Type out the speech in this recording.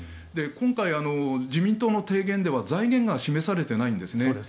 今回、自民党の提言では財源が示されていないんですね。